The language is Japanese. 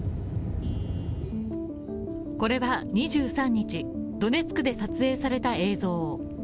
これは２３日、ドネツクで撮影された映像。